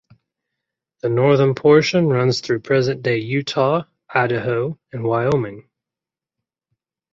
The northern portion runs through present day Utah, Idaho, and Wyoming.